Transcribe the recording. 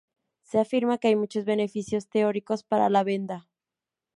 Se afirma que hay muchos beneficios teóricos para la venda.